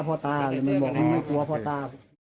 มันบอกว่าฆ่าพ่อตา